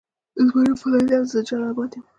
زما نوم فلانی دی او زه د جلال اباد یم.